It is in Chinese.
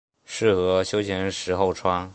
适合休闲时候穿。